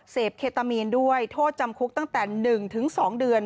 เคตามีนด้วยโทษจำคุกตั้งแต่๑๒เดือน